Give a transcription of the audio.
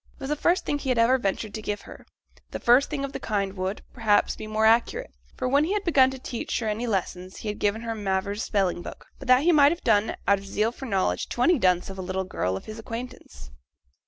It was the first thing he had ever ventured to give her the first thing of the kind would, perhaps, be more accurate; for when he had first begun to teach her any lessons, he had given her Mavor's Spelling book, but that he might have done, out of zeal for knowledge, to any dunce of a little girl of his acquaintance.